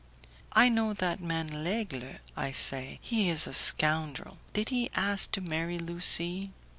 "I know that man l'Aigle," I say; "he is a scoundrel. Did he ask to marry Lucie?"